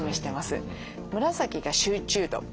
紫が集中度。